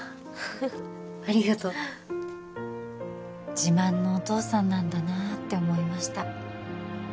ありがとう自慢のお父さんなんだなって思いました